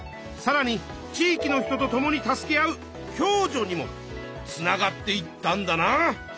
さらに地いきの人と共に助け合う共助にもつながっていったんだな。